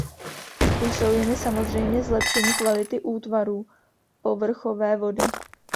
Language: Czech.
Jsou jimi samozřejmě zlepšení kvality útvarů povrchové vody.